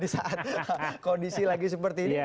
di saat kondisi lagi seperti ini